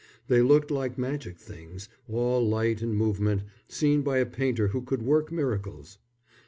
They looked like magic things, all light and movement, seen by a painter who could work miracles.